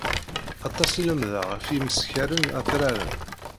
Aṭas i lemdeɣ ɣef yimeskaren atraren.